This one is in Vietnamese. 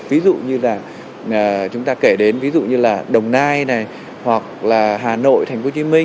ví dụ như là đồng nai hà nội tp hcm